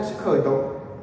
sự khởi tội